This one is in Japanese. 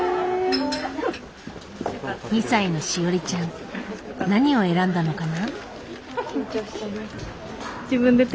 ２歳のしおりちゃん何を選んだのかな？